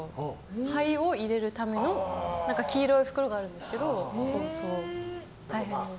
灰を入れるための黄色い袋があるんですけど、大変です。